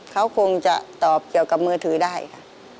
เขาคงจะตอบเกี่ยวกับมือถือได้ค่ะ